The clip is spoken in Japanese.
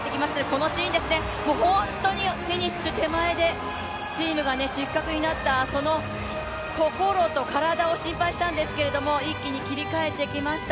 このシーンですね、本当にフィニッシュ手前で、チームが失格になった、その心と体を心配したんですけど一気に切り替えてきました。